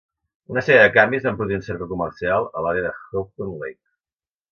Una sèrie de canvis van produir un cercle comercial a l"àrea de Houghton Lake.